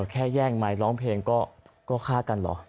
แค่แย่งไมค์ร้องเพลงก็ฆ่ากันเหรอ